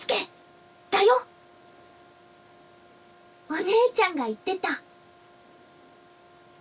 「お姉ちゃんが言ってた」